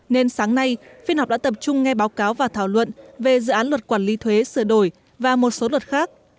nên sáng nay phiên họp đã tập trung nghe báo cáo và thảo luận về dự án luật quản lý thuế sửa đổi và một số luật khác